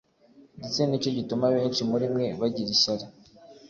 ndetse ni cyo gituma benshi muri mwe bagira ishyari